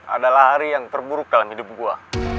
adalah hari yang terburuk dalam hidup gua